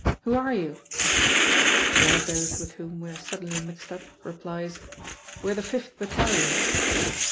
Who are you?" One of those with whom we are suddenly mixed up replies, "We're the Fifth Battalion."